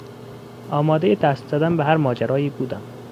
آمادهی دست زدن به هر ماجرایی بودم.